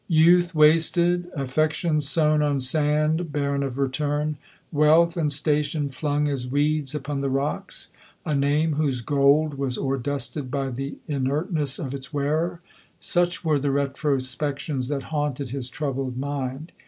Youth wasted ; affections sown on sand, bar ren of return ; wealth and station flung as weeds upon the rocks; a name, whose "gold" was " o'erdusted * by the inertness of its wearer; — such were the retrospections that haunted his troubled mind.